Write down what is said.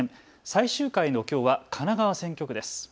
最終回のきょうは神奈川選挙区です。